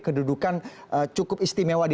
kedudukan cukup istimewa di